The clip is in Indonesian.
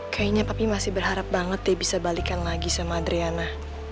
kayaknya tapi masih berharap banget ya bisa balikan lagi sama adriana